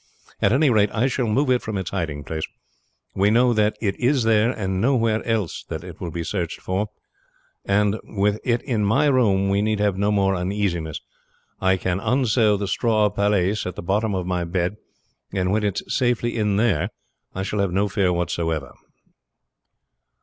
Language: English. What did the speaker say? At any rate I shall move it from its hiding place. We know that it is there and nowhere else that it will be searched for, and with it in my room we need have no more uneasiness. I can unsew the straw pailliasse at the bottom of my bed, and when it is safely in there I shall have no fear whatever."